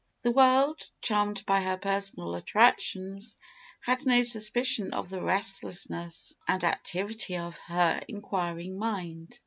The world, charmed by her personal attractions, had no suspicion of the restlessness and activity of her inquiring mind.